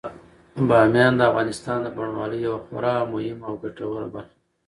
بامیان د افغانستان د بڼوالۍ یوه خورا مهمه او ګټوره برخه ده.